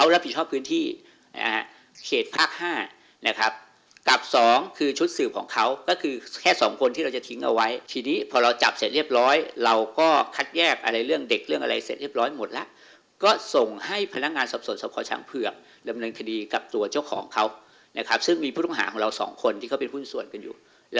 รับผิดชอบพื้นที่นะฮะเขตภาค๕นะครับกับสองคือชุดสืบของเขาก็คือแค่สองคนที่เราจะทิ้งเอาไว้ทีนี้พอเราจับเสร็จเรียบร้อยเราก็คัดแยกอะไรเรื่องเด็กเรื่องอะไรเสร็จเรียบร้อยหมดแล้วก็ส่งให้พนักงานสอบส่วนสพช้างเผือกดำเนินคดีกับตัวเจ้าของเขานะครับซึ่งมีผู้ต้องหาของเราสองคนที่เขาเป็นหุ้นส่วนกันอยู่